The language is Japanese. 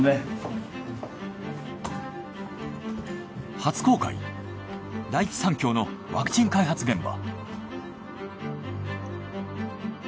初公開第一三共のワクチン開発現場。